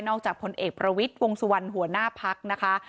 จากพลเอกประวิทย์วงสุวรรณหัวหน้าพักนะคะ